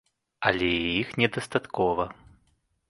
Але і іх не дастаткова.